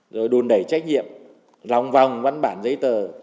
rồi đùn đẩy trách nhiệm lòng vòng văn bản giấy tờ